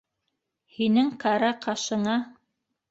Һинең кара ҡашыңа.